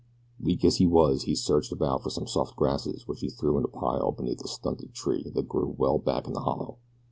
Weak as he was he searched about for some soft grasses which he threw in a pile beneath a stunted tree that grew well back in the hollow.